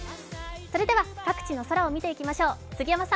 それでは各地の空、見ていきましょう。